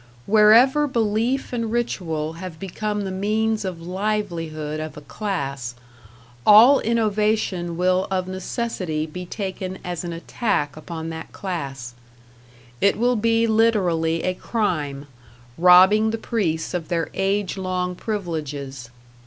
Wherever belief and ritual have become the means of livelihood of a class, all innovation will of necessity be taken as an attack upon that class; it will be literally a crime robbing the priests of their age long privileges.